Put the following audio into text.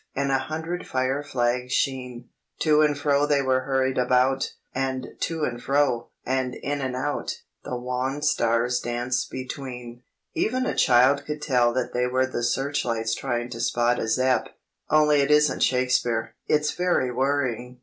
And a hundred fire flags' sheen, To and fro they were hurried about! And to and fro, and in and out, The wan stars danced between.' "Even a child could tell you they were the searchlights trying to spot a Zepp.—only it isn't Shakespeare! It's very worrying.